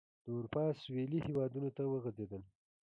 د اروپا سوېلي هېوادونو ته وغځېدل.